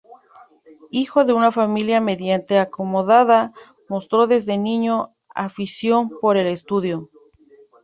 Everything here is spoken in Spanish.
Hijo de una familia medianamente acomodada, mostró desde niño afición por el estudio.